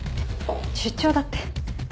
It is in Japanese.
出張だって。